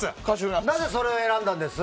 なぜそれを選んだんです？